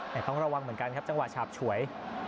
แต่ต้องระวังเหมือนกันครับจังหวะฉาบฉวย